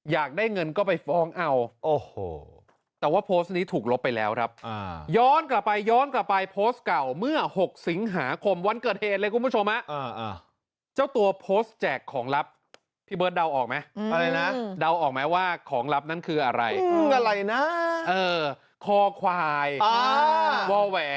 ว่าควายว่าแหวนบอกแค่สองตัวแล้วกันครับ